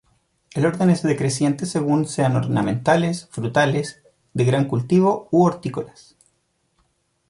El orden es decreciente según sean ornamentales, frutales, de gran cultivo u hortícolas.